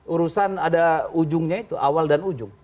urusan ada ujungnya itu awal dan ujung